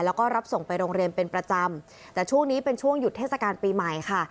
แล้วก็รับส่งไปโรงเรียนเป็นประจำแต่ช่วงนี้เป็นช่วงหยุดเทศกาลปีใหม่ค่ะ